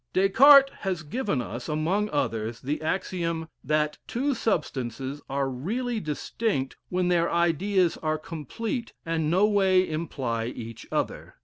Des Cartes has given us, among others, the axiom "That two substances are really distinct when their ideas are complete, and no way imply each other.